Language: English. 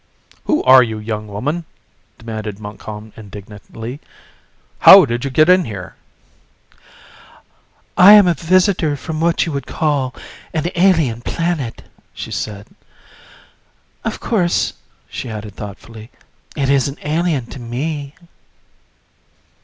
"Who are you, young woman?" demanded Montcalm indignantly. "How did you get in here?" "I am a visitor from what you would call an alien planet," she said. "Of course," she added thoughtfully, "it isn't alien to me."